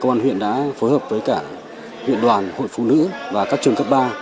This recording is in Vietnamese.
công an huyện đã phối hợp với cả huyện đoàn hội phụ nữ và các trường cấp ba